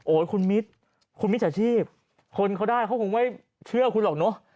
คุณมิตรคุณมิจฉาชีพคนเขาได้เขาคงไม่เชื่อคุณหรอกเนอะ